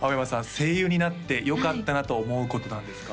声優になってよかったなと思うこと何ですか？